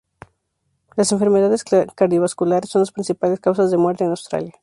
Las enfermedades cardiovasculares son las principales causas de muerte en Australia.